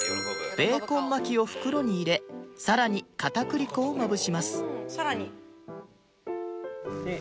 ベーコン巻きを袋に入れさらに片栗粉をまぶします